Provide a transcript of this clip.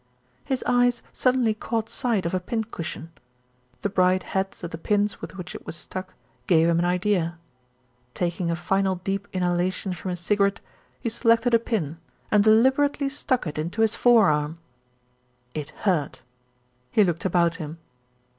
His eyes suddenly caught sight of a pin cushion. The bright heads of the pins with which it was stuck gave him an idea. Taking a final deep inhalation from his cigarette, he selected a pin and deliberately stuck it into his forearm. It hurt. He looked about him.